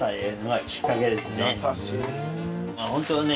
ホントはね。